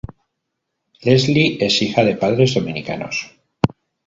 Leslie es hija de padres dominicanos.